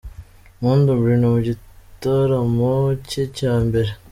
Mpundu Bruno mu gitaramo cye cya mbere.